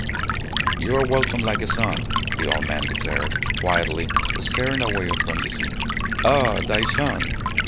"You are welcome like a son," the old man declared, quietly, staring away upon the sea. "Ah! thy son.